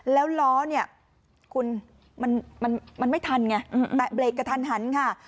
แล้วล้อนี้คุณมันไม่ทันไงไปเค้นกระทันค่ะ